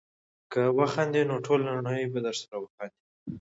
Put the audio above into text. که وخاندې نو ټوله نړۍ به درسره وخاندي.